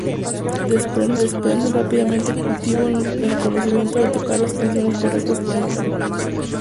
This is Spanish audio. Dresden rápidamente cultivo el conocimiento de tocar las canciones correctas en el momento correcto.